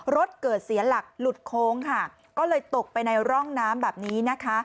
รถเกิดเสียหลักหลุดโค้งค่ะก็เลยตกไปในร่องน้ำแบบนี้นะคะ